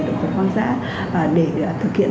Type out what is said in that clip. động vật hoang dã để thực hiện